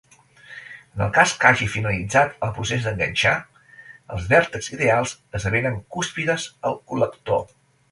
En el cas que hagi finalitzat el procés d'enganxar, els vèrtexs ideals esdevenen cúspides al col·lector.